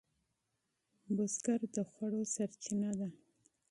بزګر د خوړو سرچینه ده